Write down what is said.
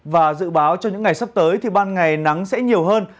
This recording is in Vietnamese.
và dự báo cho những ngày sắp tới ban ngày nắng sẽ nhiều hơn